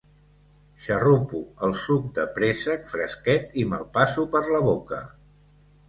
Xarrupo el suc de préssec fresquet i me'l passo per la boca.